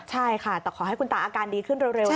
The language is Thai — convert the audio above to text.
ใช่ค่ะแต่ขอให้คุณตาอาการดีขึ้นเร็ว